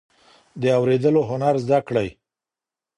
د اورېدلو هنر زده کړئ.